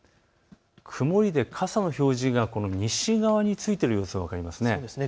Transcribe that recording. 曇りで傘の表示が西側についている様子が分かりますね。